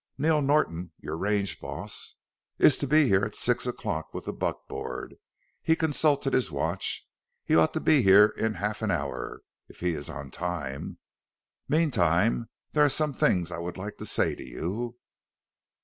"Neil Norton, your range boss, is to be here at six o'clock with the buckboard." He consulted his watch. "He ought to be here in half an hour if he is on time. Meantime there are some things I would like to say to you."